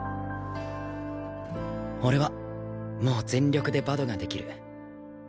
俺はもう全力でバドができる。